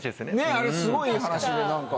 あれすごいいい話で何か。